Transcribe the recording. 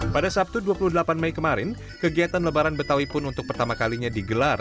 pada sabtu dua puluh delapan mei kemarin kegiatan lebaran betawi pun untuk pertama kalinya digelar